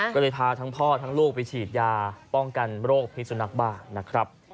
ก็เลยพาทั้งพ่อทั้งลูกไปฉีดยาป้องกันโรคพิสุนักบ้านะครับ